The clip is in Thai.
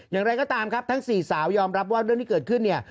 อย่างไรก็ตามครับทั้งสี่สาวยอมรับว่าเรื่องที่เกิดขึ้นเนี่ย